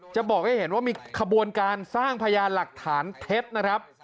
จะบอกให้เห็นว่ามีขบวนการสร้างพยานหลักฐานเท็จนะครับ